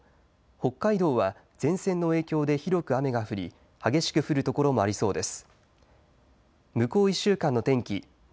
北海道は前線の影響で広く雨が降り激しく降る所もありそうです。